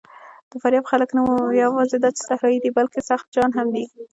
د فاریاب خلک نه یواځې دا چې صحرايي دي، بلکې سخت جان هم دي.